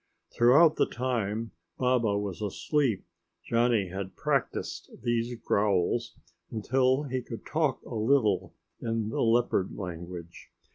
Throughout the time Baba was asleep Johnny had practiced these growls, until he could talk a little in the leopard language.